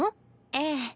ええ。